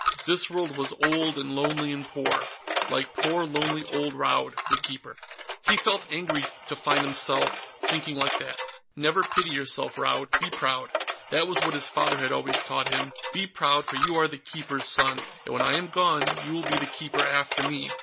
This world was old and lonely and poor. Like poor lonely old Raud the Keeper. He felt angry to find himself thinking like that. Never pity yourself, Raud; be proud. That was what his father had always taught him: "Be proud, for you are the Keeper's son, and when I am gone, you will be the Keeper after me.